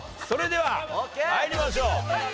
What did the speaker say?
それでは参りましょう。